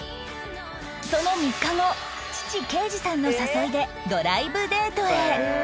その３日後父啓治さんの誘いでドライブデートへ